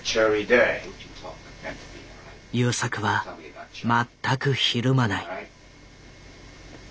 優作は全くひるまない。